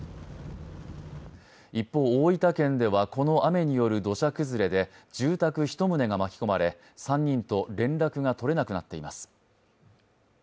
一方、大分県ではこの雨による土砂崩れで住宅１棟が巻き込まれ３人と連絡が取れなくなっています